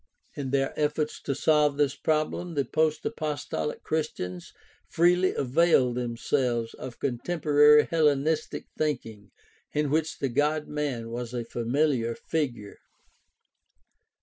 In their efforts to solve this prob lem the post apostolic Christians freely availed themselves of contemporary Hellenistic thinking, in which the God man was a familiar figure.